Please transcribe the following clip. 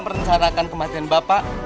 merencanakan kematian bapak